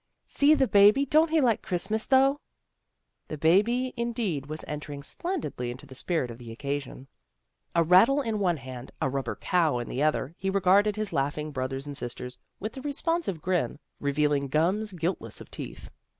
" See the baby! Don't he like Christmas, though! " The baby, indeed, was entering splendidly into the spirit of the occasion. A rattle in one CHRISTMAS CELEBRATIONS 211 hand, a rubber cow in the other, he regarded his laughing brothers and sisters with a respon sive grin, revealing gums guiltless of teeth.